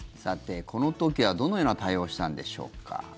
この時はどのような対応をしたんでしょうか。